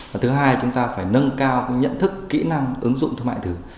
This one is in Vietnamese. và thứ hai là chúng ta phải nâng cao cái nhận thức kỹ năng ứng dụng thương mại thứ